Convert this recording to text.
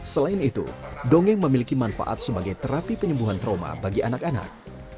selain itu dongeng memiliki manfaat sebagai terapi penyembuhan trauma bagi anak anak